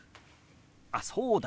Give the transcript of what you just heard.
あっそうだ！